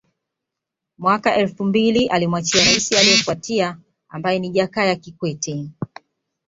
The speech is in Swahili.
Mwaka elfu mbili alimwachia Raisi aliefuatia ambaye ni Jakaya Kikwete